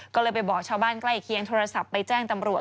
ก็เลยไปบอกชาวบ้านใกล้เคียงโทรศัพท์ไปแจ้งตำรวจ